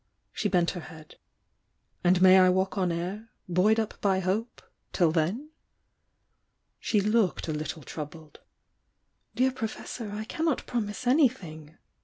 She bent her head. "And may I walk on air— buoyed up by hope — till then?" She looked a little troubled. "Dear Professor, I cannot promise anything!"